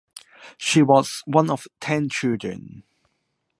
She was one of ten children.